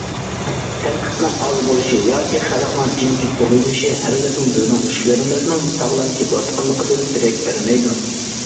تەنقىدنىڭ ئاز بولۇشى ياكى خەلقنىڭ جىمجىت بولۇۋېلىشى ھەرگىزمۇ بىزنىڭ ئىشلىرىمىزنىڭ ساغلام كېتىۋاتقانلىقىدىن دېرەك بەرمەيدۇ.